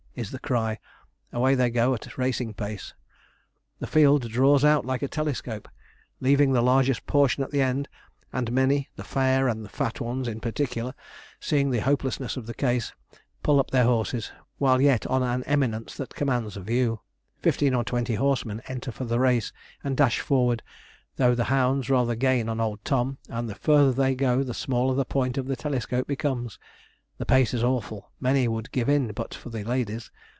is the cry away they go at racing pace. The field draws out like a telescope, leaving the largest portion at the end, and many the fair and fat ones in particular seeing the hopelessness of the case, pull up their horses, while yet on an eminence that commands a view. Fifteen or twenty horsemen enter for the race, and dash forward, though the hounds rather gain on old Tom, and the further they go the smaller the point of the telescope becomes. The pace is awful; many would give in but for the ladies.